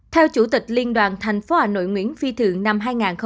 theo chủ tịch liên đoàn tp hà nội nguyễn phi thượng năm hai nghìn hai mươi một